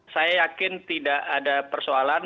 saya yakin tidak ada persoalan